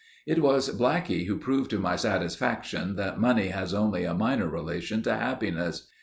It was Blackie who proved to my satisfaction that money has only a minor relation to happiness.